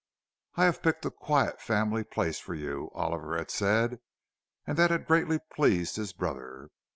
"I have picked a quiet family place for you," Oliver had said, and that had greatly pleased his brother.